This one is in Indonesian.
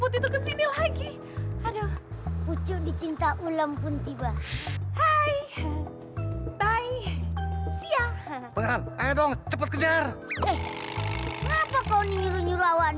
tuh dia ada di belakang